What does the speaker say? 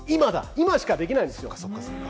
今しかできないんですよ。